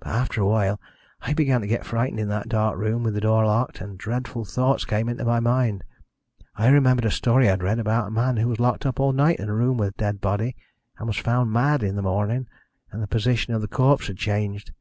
But after a while I began to get frightened in that dark room with the door locked, and dreadful thoughts came into my mind. I remembered a story I had read about a man who was locked up all night in a room with a dead body, and was found mad in the morning, and the position of the corpse had changed.